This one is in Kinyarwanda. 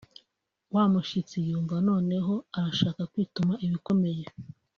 wa mushyitsi yumva noneho arashaka kwituma ibikomeye